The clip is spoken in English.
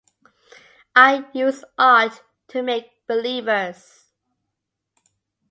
I use art to make believers.